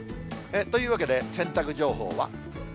というわけで洗濯情報は。